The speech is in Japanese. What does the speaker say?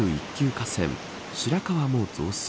河川白川も増水。